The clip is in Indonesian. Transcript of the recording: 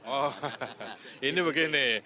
oh ini begini